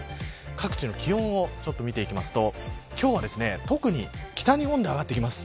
各地の気温を見ると今日は特に北日本で上がってきます。